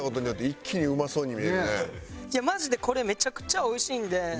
いやマジでこれめちゃくちゃおいしいんで。